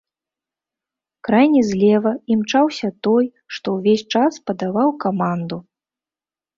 Крайні злева імчаўся той, што ўвесь час падаваў каманду.